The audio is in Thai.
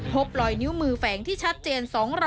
พบรอยนิ้วมือแฝงที่ชัดเจน